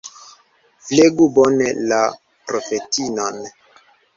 Flegu bone la profetinon.